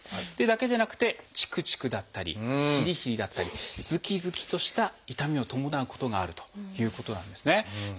だけでなくてチクチクだったりヒリヒリだったりズキズキとした痛みを伴うことがあるということなんですね。